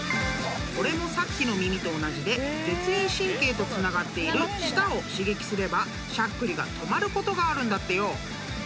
［これもさっきの耳と同じで舌咽神経とつながっている舌を刺激すればしゃっくりが止まることがあるんだってよ］